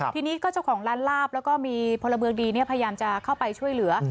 ทีนี้ก็เจ้าของร้านลาบแล้วก็มีพลเมืองดีพยายามจะเข้าไปช่วยเหลือ